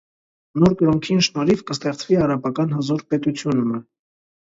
Նոր կրօնքին շնորհիւ կը ստեղծուի արաբական հզօր պետութիւն մը։